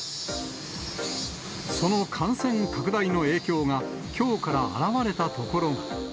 その感染拡大の影響が、きょうから表れた所が。